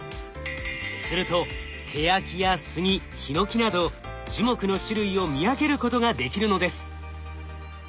するとケヤキやスギヒノキなど樹木の種類を見分けることができるのです。